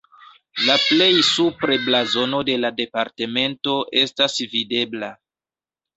La plej supre blazono de la departemento estas videbla.